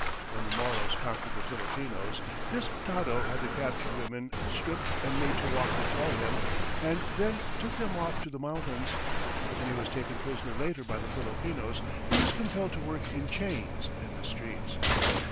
When the Moros conquered the Filipinos, this dato had the captured women stripped and made to walk before him, and then took them off to the mountains. When he was taken prisoner later by the Filipinos, he was compelled to work in chains in the streets.